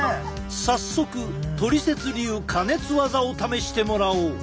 早速トリセツ流加熱技を試してもらおう！